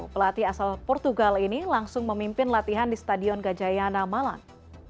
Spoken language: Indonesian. pelatih asal portugal ini langsung memimpin latihan di stadion gajayana malang